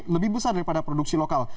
lebih besar daripada produksi lokal